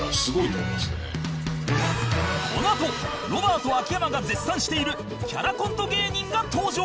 このあとロバート秋山が絶賛しているキャラコント芸人が登場